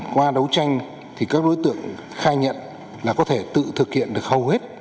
qua đấu tranh thì các đối tượng khai nhận là có thể tự thực hiện được hầu hết